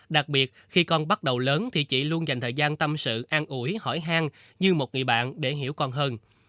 đặc biệt khi con bắt đầu lớn thì chị luôn dành thời gian tâm sự an ủi hỏi hang như một người bạn để hiểu con hơn